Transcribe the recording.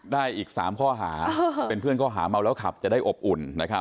ได้อีก๓ข้อหาเป็นเพื่อนข้อหาเมาแล้วขับจะได้อบอุ่น